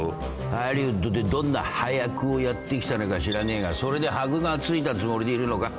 ハリウッドでどんな端役をやってきたのか知らねえがそれで箔が付いたつもりでいるのか？